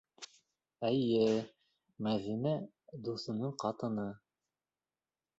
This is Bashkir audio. Эйе, Мәҙинә дуҫының ҡатыны.